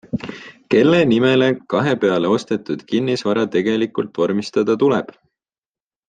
Kelle nimele kahepeale ostetud kinnisvara tegelikult vormistada tuleb?